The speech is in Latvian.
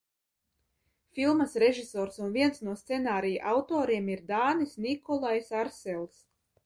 Filmas režisors un viens no scenārija autoriem ir dānis Nikolajs Arsels.